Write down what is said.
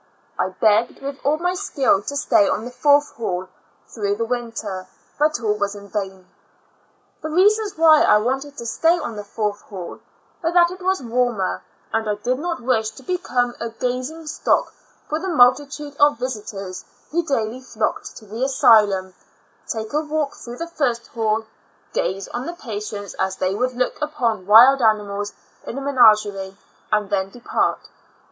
I begged with all my skill to stay on the fourth hall through the winter, but all was in vain. The reasons why I wanted to stay on the fourth hall were, that it was warmer, and I did not wish to become a gazing stock for the mul titude of visitors who daily flocked to the asylum, take a walk through the first hall, gaze on the patients as they would look upon wild animals in a managerie, and then depart.